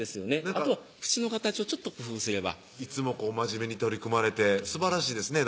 あとは口の形をちょっと工夫すればいつも真面目に取り組まれてすばらしいですね